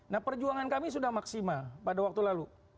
nah perjuangan kami sudah maksimal pada waktu lalu